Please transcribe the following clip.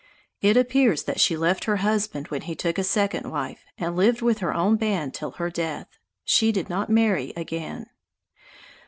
It appears that she left her husband when he took a second wife, and lived with her own band till her death. She did not marry again.